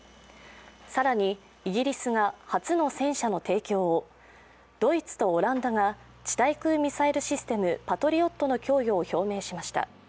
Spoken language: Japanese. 更にイギリスが初の戦車の提供をドイツとオランダが地対空ミサイルシステムパトリオットの供与を表明しました。